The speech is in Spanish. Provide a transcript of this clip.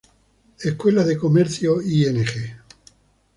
Esc. De Comercio “Ing.